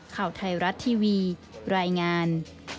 ข่าวไทยรัฐทีวีรายงาน